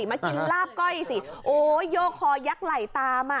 เช่าสิมากินลาบก้อยสิโอ้ยโยกคอยักไหลตามอ่ะ